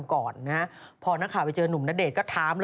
โอลี่คัมรี่ยากที่ใครจะตามทันโอลี่คัมรี่ยากที่ใครจะตามทัน